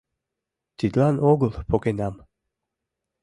Тидлан огыл погенам.